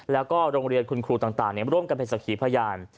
แล้วก็โรงเรียนคุณครูต่างร่วมกันเป็นสักขีพยาน